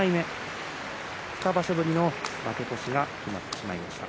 ２場所ぶりの負け越しが決まりました。